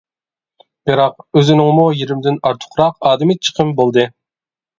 بىراق، ئۆزىنىڭمۇ يېرىمدىن ئارتۇقراق ئادىمى چىقىم بولدى.